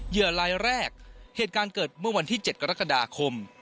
เหยื่อลายแรกเหตุการณ์เกิดเมื่อวันที่๗กรกฎาคม